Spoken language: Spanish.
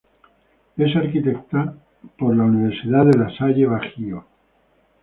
Es arquitecta por la Universidad De La Salle Bajío.